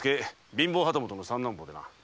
貧乏旗本の三男坊でな。